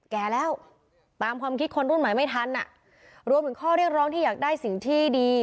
แก่แล้วตามความคิดคนรุ่นใหม่ไม่ทันอ่ะรวมถึงข้อเรียกร้องที่อยากได้สิ่งที่ดี